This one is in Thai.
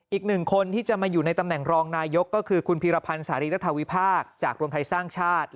อีกหนึ่งคนที่จะมาอยู่ในตำแหน่งรองนายกก็คือคุณพีรพันธ์สารีรัฐวิพากษ์จากรวมไทยสร้างชาติ